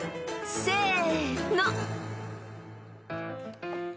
［せの］